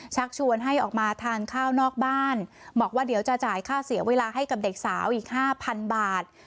ชักชวนให้ออกมาทานข้าวนอกบ้านบอกว่าเดี๋ยวจะจ่ายค่าเสียเวลาให้กับเด็กสาวอีกห้าพันบาท